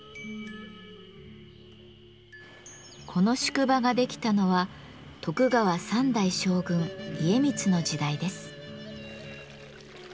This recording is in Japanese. この宿場ができたのは徳川三代将軍・家光の時代です。